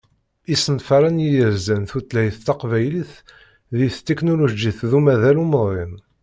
Isenfaren i yerzan tutlayt taqbaylit deg tetiknulujit d umaḍal umḍin.